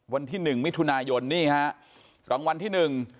วันที่๑มิถุนายนรางวัลที่๑